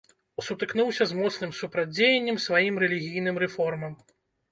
Сутыкнуўся з моцным супрацьдзеяннем сваім рэлігійным рэформам.